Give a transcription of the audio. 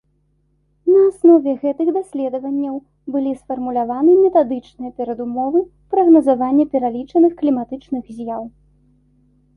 На аснове гэтых даследаванняў былі сфармуляваны метадычныя перадумовы прагназавання пералічаных кліматычных з'яў.